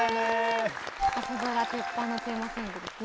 朝ドラ「てっぱん」のテーマソングですね。